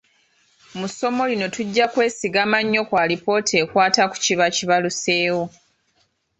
Mu ssomo lino tujja kwesigama nnyo ku alipoota ekwata ku kiba kibaluseewo.